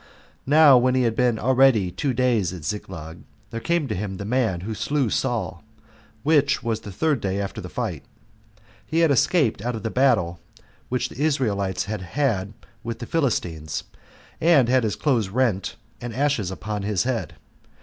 Now when he had been already two days at Ziklag, there came to him the man who slew Saul, which was the third day after the fight. He had escaped out of the battle which the Israelites had with the Philistines, and had his clothes rent, and ashes upon his head.